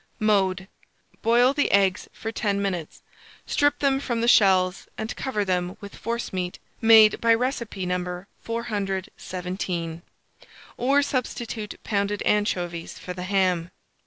Mode. Boil the eggs for 10 minutes; strip them from the shells, and cover them with forcemeat made by recipe No. 417; or substitute pounded anchovies for the ham.